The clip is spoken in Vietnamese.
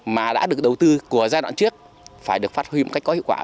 mà đã được đầu tư của giai đoạn trước phải được phát huy một cách có hiệu quả